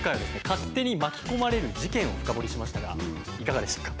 勝手に巻き込まれる事件を深掘りしましたがいかがでしたか？